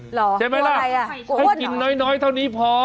เหรอหัวอะไรล่ะอ้วนเหรอใช่ไหมล่ะให้กินน้อยเท่านี้พอ